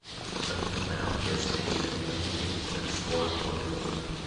Until now, he has payed eleven games and scored one goal.